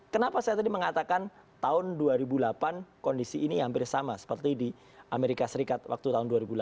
kenapa saya tadi mengatakan tahun dua ribu delapan kondisi ini hampir sama seperti di amerika serikat waktu tahun dua ribu delapan